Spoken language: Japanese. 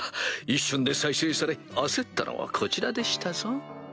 一瞬で再生され焦ったのはこちらでしたぞ。